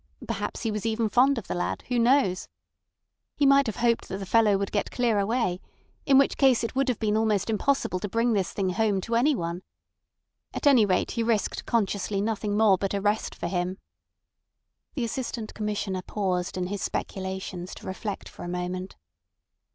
Perhaps he was even fond of the lad—who knows? He might have hoped that the fellow would get clear away; in which case it would have been almost impossible to bring this thing home to anyone. At any rate he risked consciously nothing more but arrest for him." The Assistant Commissioner paused in his speculations to reflect for a moment.